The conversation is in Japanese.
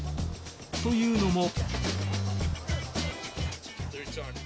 というのも。